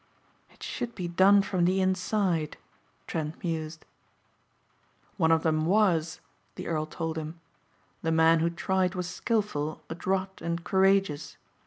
"It should be done from the inside," Trent mused. "One of them was," the earl told him, "the man who tried was skillful, adroit and courageous.